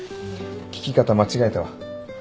聞き方間違えたわ